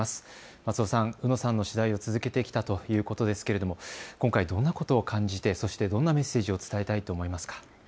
松尾さん、うのさんの取材を続けてきたということですけれども今回どんなことを感じて、そしてどんなメッセージを伝えたいと思いますか。